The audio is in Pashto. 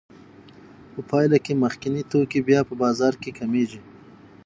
په پایله کې مخکیني توکي بیا په بازار کې کمېږي